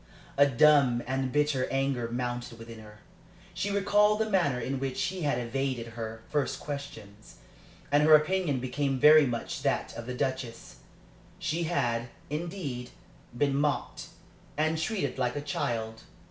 A dumb and bitter anger mounted within her. She recalled the manner in which he had evaded her first questions, and her opinion became very much that of the Duchess. She had, indeed, been mocked, and treated like a child.